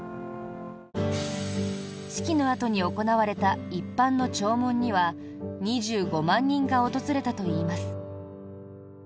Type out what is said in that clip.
式のあとに行われた一般の弔問には２５万人が訪れたといいます。